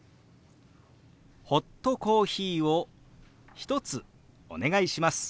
「ホットコーヒーを１つお願いします」。